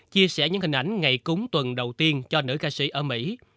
chia sẻ những hình ảnh ngày cúng tuần đầu tiên cho nữ ca sĩ ở mỹ